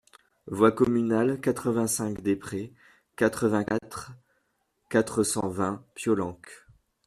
Voie Communale quatre-vingt-cinq des Prés, quatre-vingt-quatre, quatre cent vingt Piolenc